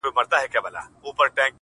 حسن کښې تر ټولو ودان داسې وو